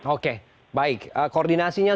oke baik koordinasinya